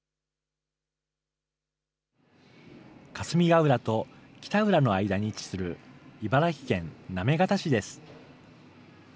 霞ヶ浦と北浦の間に位置する茨城県行方市です。